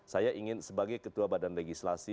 saya ingin sebagai ketua badan legislasi